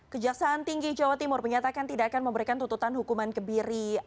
kejaksaan tinggi jawa timur menyatakan tidak akan memberikan tuntutan hukuman kebiri